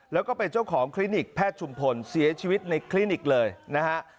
แล้วก็เป็นเจ้าของคลินิกแพทย์ชุมพลเสียชีวิตในคลินิกเลยนะฮะ